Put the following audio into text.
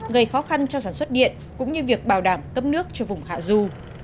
gây khó khăn cho sản xuất điện cũng như việc bảo đảm cấp nước cho vùng hạ du